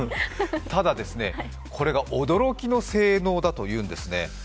ただ、これが驚きの性能だというんですね。